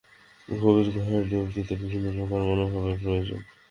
গভীর গুহায় ডুব দিতে ভিন্ন প্রকারের মনোভাবের প্রয়োজন।